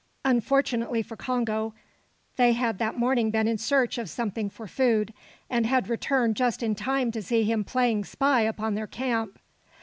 Unfortunately for Congo, they had that morning been in search of something for food, and had returned just in time to see him playing spy upon their camp.